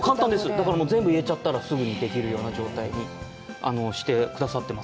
だから、全部入れちゃったら、すぐにできるような状態にしてくださってます。